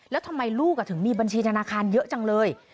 แล้วทำไมลูกถึงมีบัญชีธนาคารเยอะจังเลย